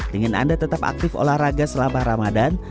dengan anda tetap aktif olahraga selama ramadan